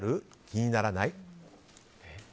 気にならない？